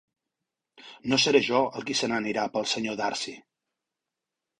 No seré jo el qui se n'anirà pel senyor Darcy.